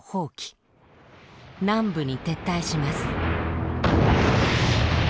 南部に撤退します。